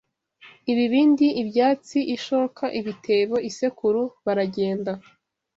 ibibindi ibyansi ishoka ibitebo isekuru… Baragenda